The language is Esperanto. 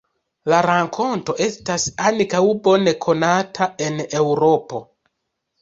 La rakonto estas ankaŭ bone konata en Eŭropo.